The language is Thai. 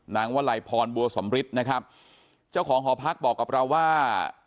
วลัยพรบัวสมฤทธิ์นะครับเจ้าของหอพักบอกกับเราว่า